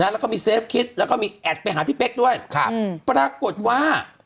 แล้วก็มีเซฟคิดแล้วก็มีแอดไปหาพี่เป๊กด้วยครับปรากฏว่า